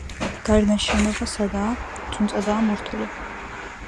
გარედან შენობა სადაა, ძუნწადაა მორთული.